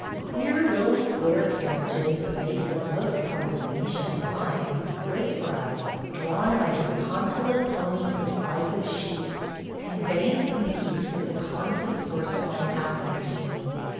Queer little square carriages, made for the most part of Venetian blinds, wait for us, drawn by disconsolate ponies the size of sheep. Conveyance in the East is a constant source of unhappiness to me.